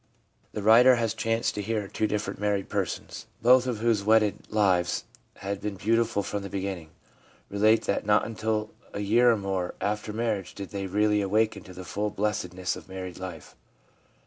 The writer has chanced to hear two different married 386 THE PSYCHOLOGY OF RELIGION persons, both of whose wedded lives had been beautiful from the beginning, relate that not until a year or more after marriage did they really awaken to the full blessedness of married life.